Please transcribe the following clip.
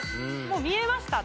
もう見えました